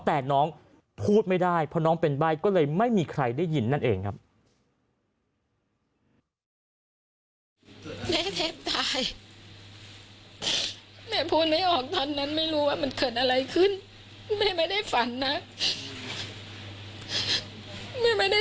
แต่น้องพูดไม่ได้เพราะน้องเป็นใบ้ก็เลยไม่มีใครได้ยินนั่นเองครับ